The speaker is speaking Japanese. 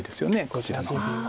こちらの方にも。